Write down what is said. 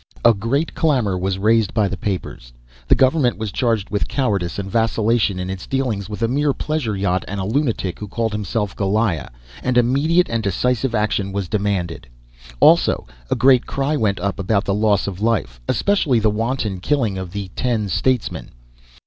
A great clamour was raised by the papers; the government was charged with cowardice and vacillation in its dealings with a mere pleasure yacht and a lunatic who called himself "Goliah," and immediate and decisive action was demanded. Also, a great cry went up about the loss of life, especially the wanton killing of the ten "statesmen."